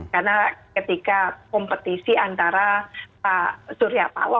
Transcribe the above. karena ketika kompetisi antara suriapaloh